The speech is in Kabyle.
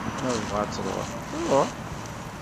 Ma tebɣa ad tṛuḥ, tṛuḥ.